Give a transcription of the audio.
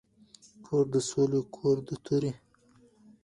کور د ســــولي کـــــور د تَُوري